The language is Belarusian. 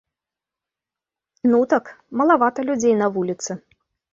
Ну так, малавата людзей на вуліцы.